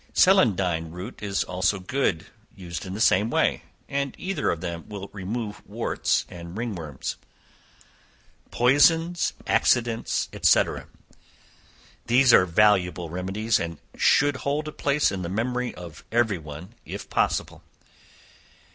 Celandine root is also good, used in the same way, and either of them will remove warts and ringworms. Poisons, Accidents, &c. These are valuable remedies, and should hold a place in the memory of every one, if possible.